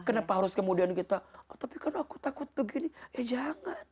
kenapa harus kemudian kita tapi kan aku takut begini ya jangan